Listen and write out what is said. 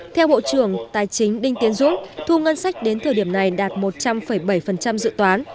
theo bộ trưởng tài chính đinh tiến dũng thu ngân sách đến thời điểm này đạt một trăm linh bảy dự toán